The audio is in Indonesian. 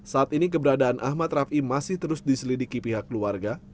saat ini keberadaan ahmad rafi masih terus diselidiki pihak keluarga